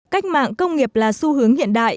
cách mạng công nghiệp là xu hướng hiện đại